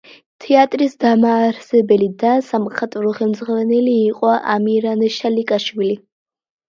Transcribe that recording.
თეატრის დამაარსებელი და სამხატვრო ხელმძღვანელი იყო ამირან შალიკაშვილი.